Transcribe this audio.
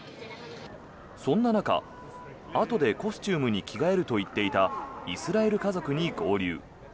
そんな中、あとでコスチュームに着替えるといっていたイスラエル家族に合流。